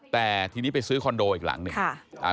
แต่ทีนี้ไปซื้อคอนโดอีกหลังหนึ่ง